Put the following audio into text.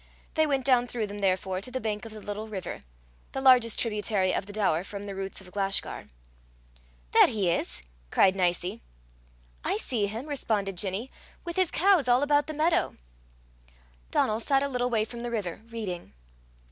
They went down through them, therefore, to the bank of the little river the largest tributary of the Daur from the roots of Glashgar. "There he is!" cried Nicie. "I see him," responded Ginny, " with his cows all about the meadow." Donal sat a little way from the river, reading.